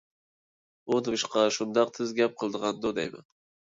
ئۇ نېمىشقا شۇنداق تېز گەپ قىلىدىغاندۇ دەيمەن؟